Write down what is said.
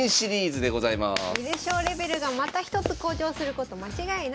観る将レベルがまた一つ向上すること間違いなし。